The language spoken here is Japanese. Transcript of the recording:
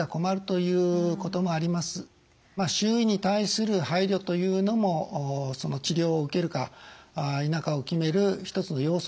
周囲に対する配慮というのもその治療を受けるか否かを決める一つの要素と言えると思います。